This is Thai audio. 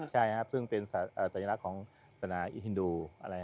ใช่ครับซึ่งเป็นสัญลักษณ์ของสนามอีฮินดู